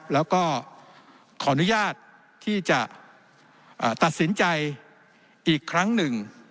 แล้วก็ขออนุญาตที่จะตัดสินใจอีกครั้งหนึ่ง